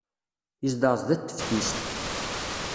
Yezdeɣ sdat teftist.